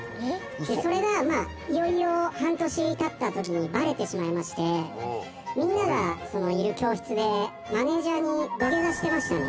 「それがまあいよいよ半年経った時にバレてしまいましてみんながいる教室でマネージャーに土下座してましたね」